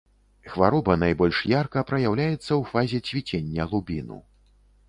Хвароба найбольш ярка праяўляецца ў фазе цвіцення лубіну.